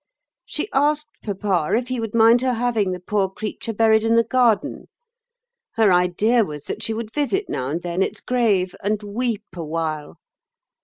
She asked papa if he would mind her having the poor creature buried in the garden. Her idea was that she would visit now and then its grave and weep awhile.